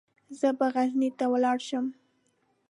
زه به غزني ته ولاړ شم.